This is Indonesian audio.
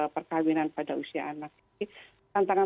perkawinan pada usia anak ini tantangan